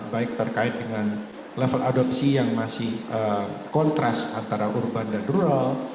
baik terkait dengan level adopsi yang masih kontras antara urban dan rural